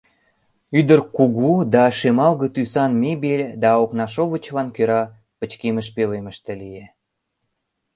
Ӱдыр кугу да шемалге тӱсан мебель да окнашовычлан кӧра пычкемыш пӧлемыште лие.